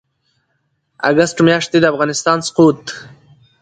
اګسټ میاشتې د افغانستان سقوط